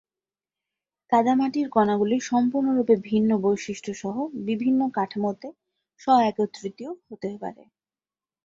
কাদামাটির কণাগুলি সম্পূর্ণরূপে ভিন্ন বৈশিষ্ট্য সহ বিভিন্ন কাঠামোতে স্ব-একত্রিতও হতে পারে।